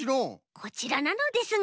こちらなのですが。